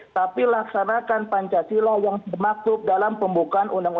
tapi laksanakan pancasila yang maklum dalam pembukaan uu seribu sembilan ratus empat puluh lima